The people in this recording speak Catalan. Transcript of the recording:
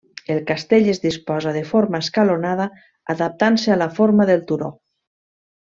El castell es disposa de forma escalonada adaptant-se a la forma del turó.